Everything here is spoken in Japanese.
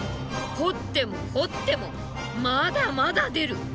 掘っても掘ってもまだまだ出る。